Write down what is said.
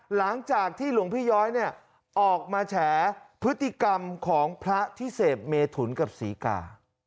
หลังจากที่หลวงพี่ย้อยเนี่ยออกมาแฉพฤติกรรมของพระที่เสพเมถุนกับศรีกา